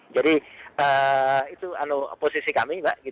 jadi itu posisi kami pak